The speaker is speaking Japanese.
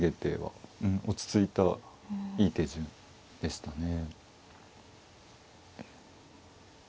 うん落ち着いたいい手順でしたね。